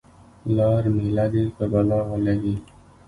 لار میله دې په بلا ولګي.